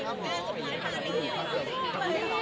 ขอบคุณทุกเรื่องราว